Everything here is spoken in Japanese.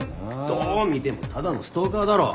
どう見てもただのストーカーだろう。